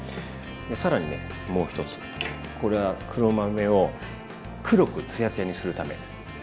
さらにねもう一つこれは黒豆を黒くツヤツヤにするため。